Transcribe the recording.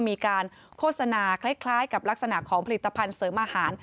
มีการโฆษณาคล้ายกับลักษณะของผลิตภัณฑ์เสริมอาหาร